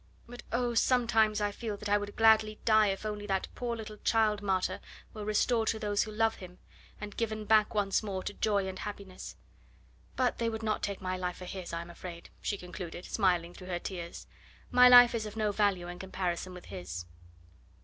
But oh sometimes I feel that I would gladly die if only that poor little child martyr were restored to those who love him and given back once more to joy and happiness. But they would not take my life for his, I am afraid," she concluded, smiling through her tears. "My life is of no value in comparison with his."